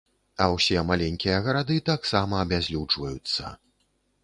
А ўсе маленькія гарады таксама абязлюджваюцца.